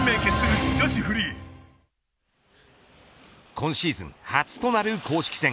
今シーズン初となる公式戦。